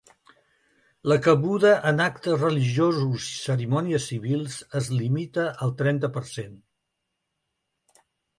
La cabuda en actes religiosos i cerimònies civils es limita al trenta per cent.